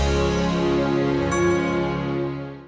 jatuh sampai ketemu kita